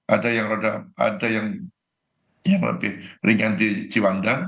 ada yang lebih ringan di ciwawandan